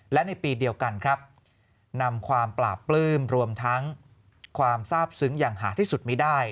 และในปีเดียวกันครับนำความปราบปลื้มรวมทั้งความทราบซึ้งอย่างหาที่สุดไม่ได้